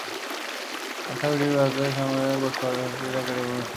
Answer ভিডিপির বার্ষিক জাতীয় সমাবেশ, কুচকাওয়াজ ও হস্তশিল্প প্রদর্শনী একাডেমিতেই অনুষ্ঠিত হয়।